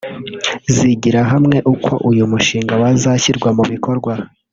zigira hamwe uko uyu mushinga wazashyirwa mu bikorwa